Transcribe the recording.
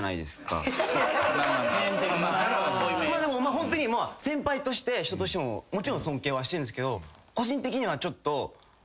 ホントに先輩として人としてももちろん尊敬はしてるんですけど。